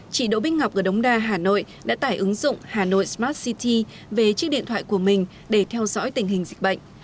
chị đỗ bích ngọc ở đống đa hà nội đã tải ứng dụng hà nội smart city về chiếc điện thoại của mình để theo dõi tình hình dịch bệnh